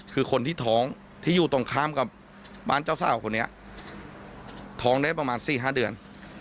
คือคนที่ท้องที่อยู่ตรงข้ามกับบ้านเจ้าสาวคนนี้ท้องได้ประมาณ๔๕เดือน